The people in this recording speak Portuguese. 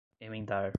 emendar